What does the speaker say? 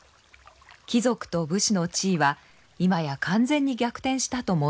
貴族と武士の地位は今や完全に逆転したと申せましょう。